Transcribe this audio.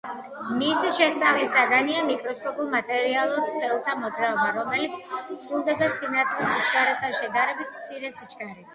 მისი შესწავლის საგანია მიკროსკოპულ მატერიალურ სხეულთა მოძრაობა, რომელიც სრულდება სინათლის სიჩქარესთან შედარებით მცირე სიჩქარით.